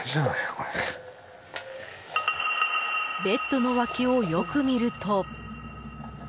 ベッドの脇をよく見ると。